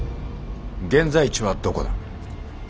現在地はどこだ？